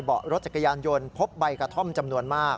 บอดรถจักรยานพบใบกับท่อมจำนวนมาก